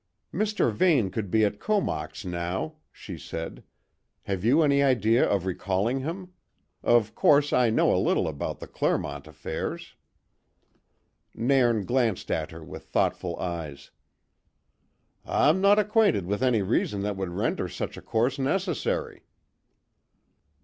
"Mr. Vane would be at Comox now," she said. "Have you any idea of recalling him? Of course, I know a little about the Clermont affairs." Nairn glanced at her with thoughtful eyes. "I'm no acquainted with any reason that would render such a course necessary."